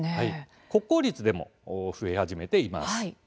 国公立でも増え始めています。